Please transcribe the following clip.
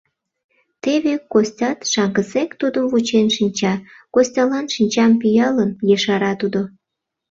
Теве Костят шаҥгысек тудым вучен шинча, — Костялан шинчам пӱялын, ешара тудо.